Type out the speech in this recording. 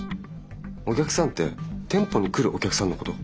お客さんて店舗に来るお客さんのこと？